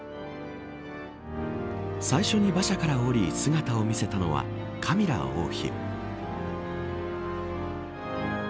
最初に馬車から降り姿を見せたのはカミラ王妃。